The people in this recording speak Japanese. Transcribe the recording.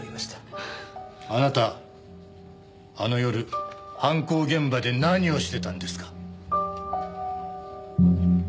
あなたあの夜犯行現場で何をしてたんですか？